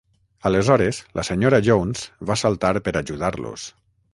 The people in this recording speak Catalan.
Aleshores, la senyora Jones va saltar per ajudar-los.